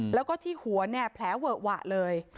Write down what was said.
แล้วที่หัวแผลเวอกเลย